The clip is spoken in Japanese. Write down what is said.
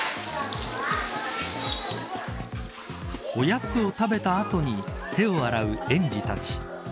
おやつを食べた後に手を洗う園児たち。